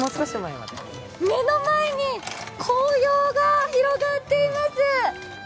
目の前に紅葉が広がっています！